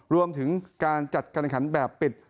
รวมถึงการจัดการขันแบบปิด